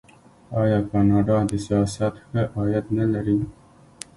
آیا کاناډا د سیاحت ښه عاید نلري؟